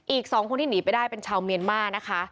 อีก๒คนที่หนีไปได้เป็นชาวเมียนมานะคะ